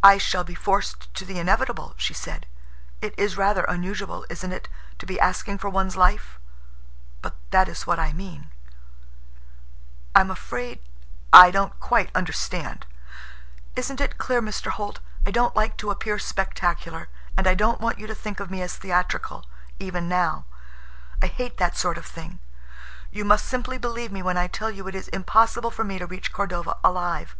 "I shall be forced to the inevitable," she said. "It is rather unusual, isn't it, to be asking for one's life? But that is what I mean." "I'm afraid—I don't quite understand." "Isn't it clear, Mr. Holt? I don't like to appear spectacular, and I don't want you to think of me as theatrical—even now. I hate that sort of thing. You must simply believe me when I tell you it is impossible for me to reach Cordova alive.